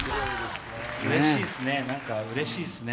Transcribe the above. うれしいっすね